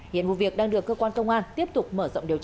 hiện vụ việc đang được cơ quan công an tiếp tục mở rộng điều tra